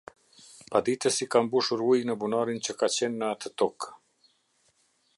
Paditësi ka mbushur ujë në bunarin qe ka qenë në atë tokë.